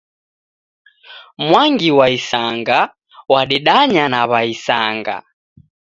Mwangi wa isanga wadedanya na w'aisanga